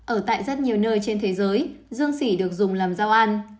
ở tại rất nhiều nơi trên thế giới dương sỉ được dùng làm rau an